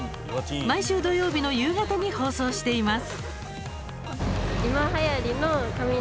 毎週土曜日の夕方に放送しています。